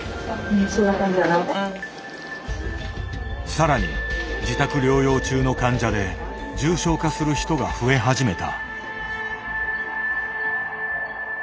更に自宅療養中の患者で重症化する人が増え始めた。